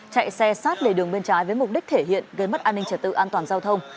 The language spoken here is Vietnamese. chạy xe sát lề đường bên trái với mục đích thể hiện gây mất an ninh trật tự an toàn giao thông